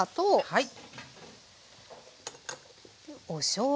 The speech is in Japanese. はい。